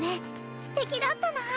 すてきだったな。